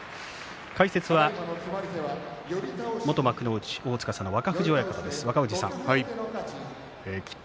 解説は元幕内皇司の若藤さんです。